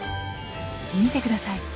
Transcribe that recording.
見てください。